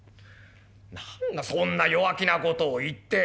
「何だそんな弱気な事を言って。